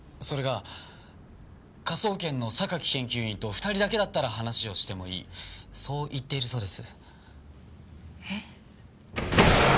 それが科捜研の榊研究員と２人だけだったら話をしてもいいそう言っているそうです。え？